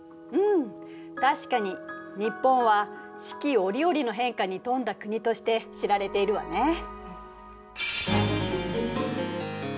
うん確かに日本は四季折々の変化に富んだ国として知られているわね。